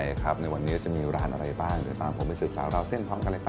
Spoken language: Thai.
เองเกมอ่ะครับในวันเนื้อที่ดูลหันอะไรบ้างจะตามผมไปศึกษาเรียน